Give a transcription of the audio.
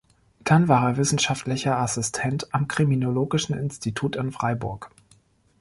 Dann war er Wissenschaftlicher Assistent am Kriminologischen Institut in Freiburg.